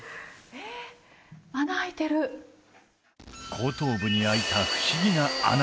後頭部にあいた不思議な穴